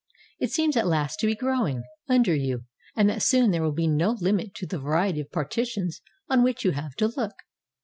It seems at last to be growing under you and that soon there will be no Hmit to the variety of partitions on which you have to look.